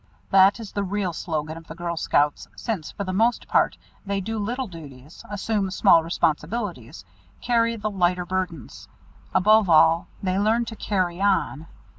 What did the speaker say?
That is the real slogan of the Girl Scouts since for the most part they do little duties, assume small responsibilities, carry the lighter burdens. Above all, they learn to "Carry on!"